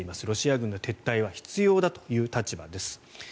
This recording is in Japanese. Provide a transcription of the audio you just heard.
ロシア軍の撤退は必要だという立場です。